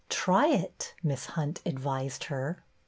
'''' Try it," Miss Hunt advised her.